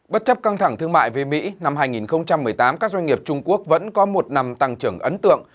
bất chấp căng thẳng thương mại về mỹ năm hai nghìn một mươi tám các doanh nghiệp trung quốc vẫn có một năm tăng trưởng ấn tượng